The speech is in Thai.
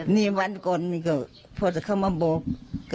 นี่วันก่อนนี่ก็พอจะเข้ามาบอก